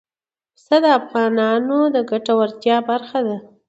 پسه د افغانانو د ګټورتیا برخه ده.